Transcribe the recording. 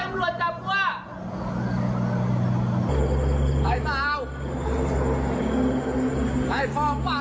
ไอ้หมาตัวไหนไม่แจ้งอำรวจจับกว่า